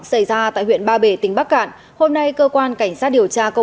xảy ra tại huyện ba bể tỉnh bắc cạn hôm nay cơ quan cảnh sát điều tra công